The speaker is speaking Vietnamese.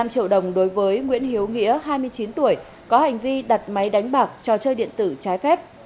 một mươi năm triệu đồng đối với nguyễn hiếu nghĩa hai mươi chín tuổi có hành vi đặt máy đánh bạc cho chơi điện tử trái phép